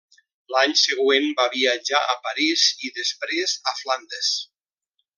L'any següent va viatjar a París i després a Flandes.